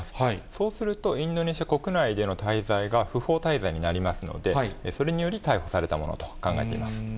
そうすると、インドネシア国内での滞在が不法滞在になりますので、それにより逮捕されたものと考えています。